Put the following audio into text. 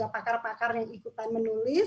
pakar pakar yang ikutan menulis